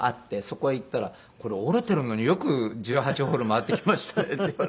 そこへ行ったら「これ折れているのによく１８ホール回ってきましたね」って言われて。